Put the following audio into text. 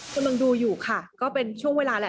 กำลังดูอยู่ค่ะก็เป็นช่วงเวลาแหละ